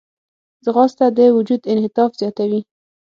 ځغاسته د وجود انعطاف زیاتوي